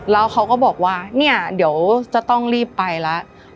แล้วเขาก็บอกว่าเนี่ยเดี๋ยวจะต้องรีบไปแล้ว